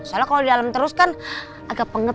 soalnya kalau di dalam terus kan agak pengep